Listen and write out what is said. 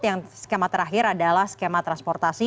yang skema terakhir adalah skema transportasi